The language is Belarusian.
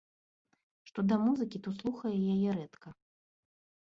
Што да музыкі, то слухае яе рэдка.